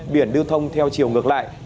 biển lưu thông theo chiều ngược lại